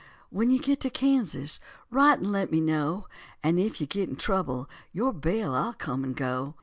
"When you get to Kansas write and let me know; And if you get in trouble, your bail I'll come and go."